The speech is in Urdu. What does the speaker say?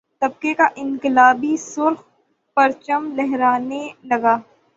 طبقے کا انقلابی سرخ پرچم لہرانے لگا